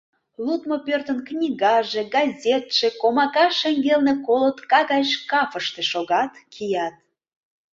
Лудмо пӧртын книгаже, газетше комака шеҥгелне колодка гай шкафыште шогат, кият.